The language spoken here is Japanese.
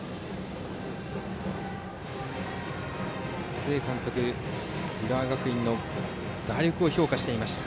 須江監督は浦和学院の打力を評価していました。